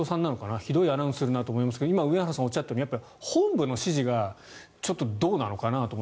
ひどいアナウンスだなと思いますが今、梅原さんがおっしゃったように本部の指示がどうなのかなと。